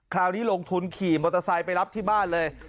คราวนี้ลงทุนขี่มอเตอร์ไซค์ไปรับที่บ้านเลย